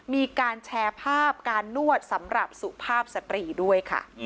มีการแชร์ภาพการนวดสำหรับสุภาพสตรีด้วยค่ะ